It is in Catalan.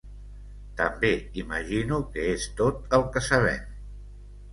També imagino que és tot el que sabem.